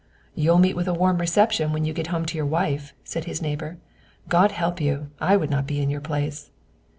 "You'll meet with a warm reception when you get home to your wife," said his neighbor. "God help you, I would not be in your place."